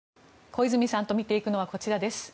小泉さんと見ていくのはこちらです。